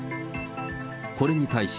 これに対し、